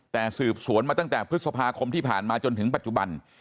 แต่สืบสวนมาตั้งแต่พฤษภาคมที่ผ่านมาจนถึงปัจจุบัน